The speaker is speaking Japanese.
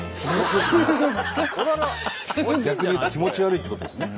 逆に言うと気持ち悪いってことですね。